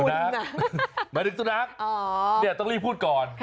สุนัขไม่ถึงสุนัขเนี่ยต้องรีบพูดก่อน